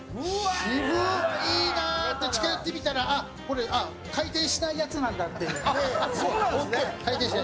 いいなって、近寄ってみたら、回転しないやつなんだっていう。